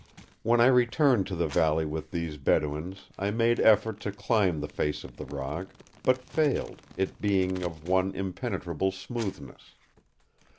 "When I returned to the valley with these Bedouins, I made effort to climb the face of the rock, but failed, it being of one impenetrable smoothness.